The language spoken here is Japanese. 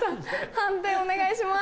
判定お願いします。